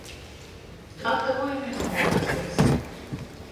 Gatavojamies nolaisties.